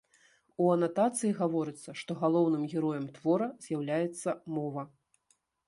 У анатацыі гаворыцца, што галоўным героем твора з'яўляецца мова.